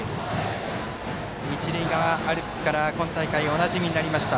一塁側アルプスから今大会、おなじみになりました